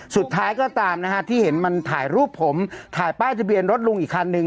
สุดท้ายก็ตามนะฮะที่เห็นมันถ่ายรูปผมถ่ายป้ายทะเบียนรถลุงอีกคันนึง